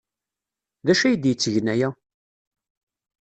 D acu ay d-yettgen aya?